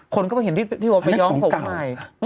คนก็เห็นที่พี่โบ๊ะไปย้องของใหม่